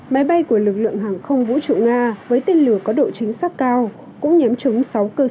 máy bay của lực lượng hàng không vũ trụ nga với tên lửa có độ chính sắc cao cũng nhém trúng sáu cơ sở quân sự của ukraine